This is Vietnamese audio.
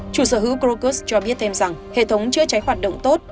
chủ sở hữu krokus cho biết thêm rằng hệ thống chữa cháy hoạt động tốt